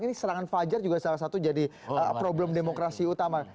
ini serangan fajar juga salah satu jadi problem demokrasi utama